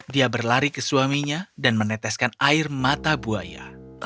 dia berlari ke suaminya dan meneteskan air mata buaya